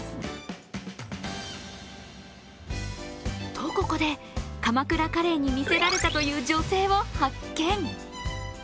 と、ここで、鎌倉カレーに見せられたという女性を発見。